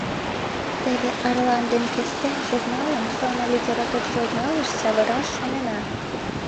Теве «Арлан ден Кестен» журналым сылне литератур журналыш савыраш шонена.